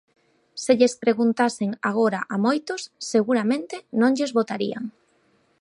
Se lles preguntasen agora a moitos, seguramente non lles votarían.